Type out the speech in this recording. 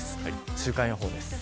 週間予報です。